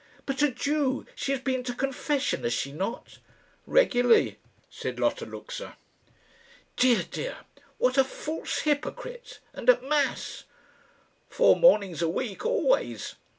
"But a Jew! She has been to confession, has she not?" "Regularly," said Lotta Luxa. "Dear, dear! what a false hypocrite! And at mass?" "Four mornings a week always."